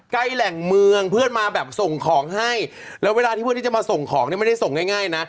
แหล่งเมืองเพื่อนมาแบบส่งของให้แล้วเวลาที่เพื่อนที่จะมาส่งของเนี่ยไม่ได้ส่งง่ายนะ